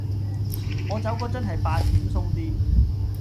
我走嗰陣係八點鬆啲